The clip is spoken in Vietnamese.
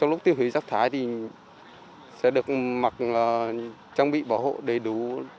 lúc tiêu hủy rác thải thì sẽ được mặc trang bị bảo hộ đầy đủ